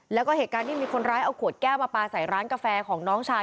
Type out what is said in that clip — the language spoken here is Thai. แล้วก็เหตุการณ์ที่มีคนร้ายเอาขวดแก้วมาปลาใส่ร้านกาแฟของน้องชาย